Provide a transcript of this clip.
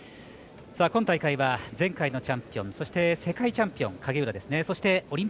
今大会は前回のチャンピオン世界チャンピオン影浦ですね。